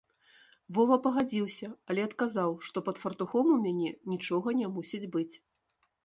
Вова пагадзіўся, але адказаў, што пад фартухом у мяне нічога не мусіць быць.